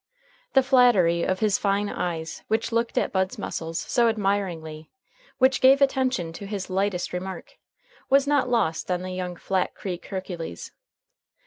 The flattery of his fine eyes, which looked at Bud's muscles so admiringly, which gave attention to his lightest remark, was not lost on the young Flat Creek Hercules.